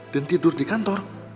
dan tidur di kantor